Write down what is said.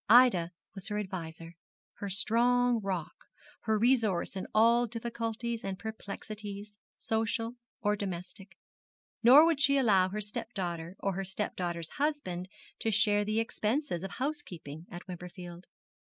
Ida was her adviser, her strong rock, her resource in all difficulties and perplexities, social or domestic. Nor would she allow her stepdaughter or her stepdaughter's husband to share the expenses of housekeeping at Wimperfield.